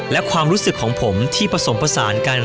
และความรู้สึกของผมที่ผสมผสานกัน